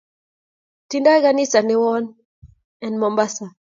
Tindo kanisa newon en Mombasa.